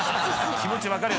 気持ち分かる。